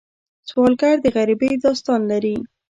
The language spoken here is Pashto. سوالګر د غریبۍ داستان لري